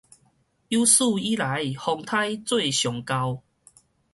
有史以來風颱做上厚